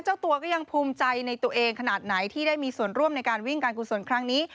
เจ้าตัวก็ยังภูมิใจในตัวเองขนาดไหนที่ได้มีส่วนร่วมในการวิ่งการกุศลครั้งนี้